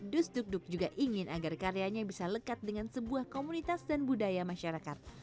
dus duk duk juga ingin agar karyanya bisa lekat dengan sebuah komunitas dan budaya masyarakat